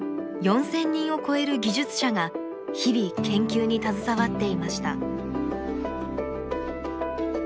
４，０００人を超える技術者が日々研究に携わっていました。